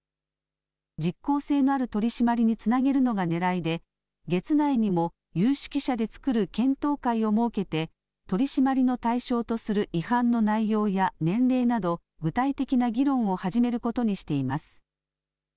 実効性のある取締りにつなげるのがねらいで月内にも有識者で作る検討会を設けて取締りの対象とする違反の内容や年齢など具体的な議論を始めることにしています。